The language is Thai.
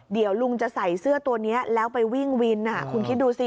เดี๋ยวลุงจะใส่เสื้อตัวนี้แล้วไปวิ่งวินคุณคิดดูสิ